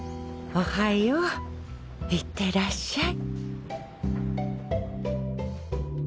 おはよう行ってらっしゃい。